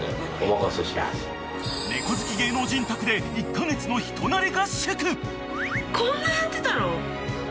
猫好き芸能人宅で１か月の人慣れ合宿！